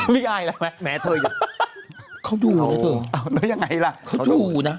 ลูกเม่น